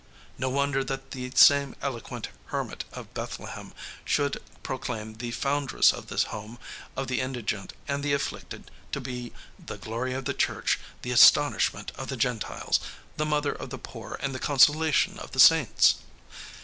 No wonder that the same eloquent hermit of Bethlehem should proclaim the foundress of this home of the indigent and the afflicted to be "the glory of the church, the astonishment of the Gentiles, the mother of the poor and the consolation of the saints."